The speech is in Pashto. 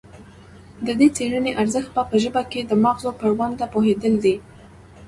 د دې څیړنې ارزښت په ژبه کې د مغزو پر ونډه پوهیدل دي